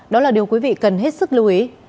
đó là điều quý vị cần hết sức lưu ý